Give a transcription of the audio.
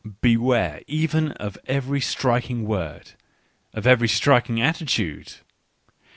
Beware even of every striking word, of every striking attitude